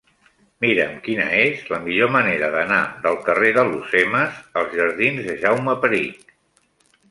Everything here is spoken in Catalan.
Mira'm quina és la millor manera d'anar del carrer d'Alhucemas als jardins de Jaume Perich.